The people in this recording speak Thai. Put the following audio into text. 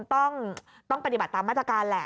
ต้องปฏิบัติตามมาตรการแหละ